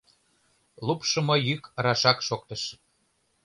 Лупшымо йӱк рашак шоктыш!